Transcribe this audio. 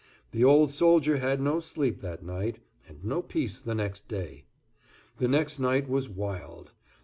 The old soldier had no sleep that night, and no peace the next day. The next night was wild.